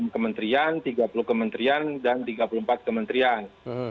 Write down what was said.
dua puluh enam kementrian tiga puluh kementrian dan tiga puluh empat kementrian